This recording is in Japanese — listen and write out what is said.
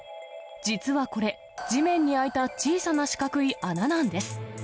実はこれ、地面に開いた小さな四角い穴なんです。